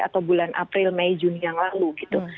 atau bulan april mei juni yang lalu gitu